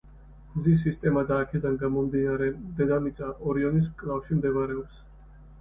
მზის სისტემა და, აქედან გამომდინარე, დედამიწა ორიონის მკლავში მდებარეობს.